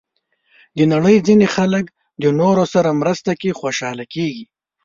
د نړۍ ځینې خلک د نورو سره مرسته کې خوشحاله کېږي.